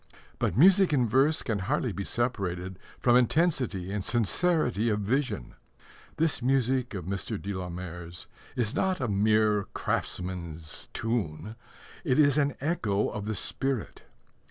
But music in verse can hardly be separated from intensity and sincerity of vision. This music of Mr. de la Mare's is not a mere craftsman's tune: it is an echo of the spirit.